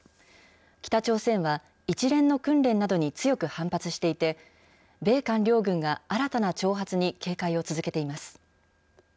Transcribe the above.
北朝鮮は一連の訓練などに強く反発していて、米韓両軍が新たな挑発に警戒を続けています。